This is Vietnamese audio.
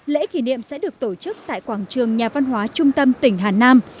lễ kỷ niệm sẽ được tổ chức tại quảng trường nhà văn hóa trung tâm tỉnh hà nam